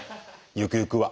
ゆくゆくは。